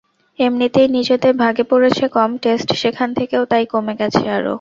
এমনিতেই নিজেদের ভাগে পড়েছে কম, টেস্ট সেখান থেকেও তাই কমে গেছে আরও।